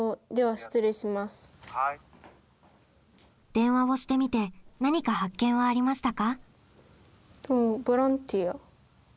電話をしてみて何か発見はありましたか？